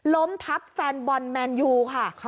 ล้มทับแฟนบอลแมนยูค่ะ